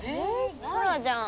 空じゃん。